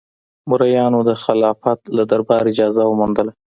مریانو د خلافت له دربار اجازه وموندله.